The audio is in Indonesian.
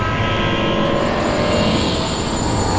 ketika dagingnya itu nighttime